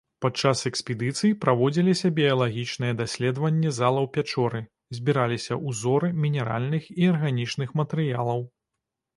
Падчас экспедыцый праводзіліся біялагічныя даследаванні залаў пячоры, збіраліся ўзоры мінеральных і арганічных матэрыялаў.